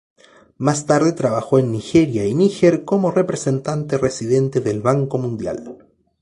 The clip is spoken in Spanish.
Más tarde trabajó en Nigeria y Níger como representante residente del Banco Mundial.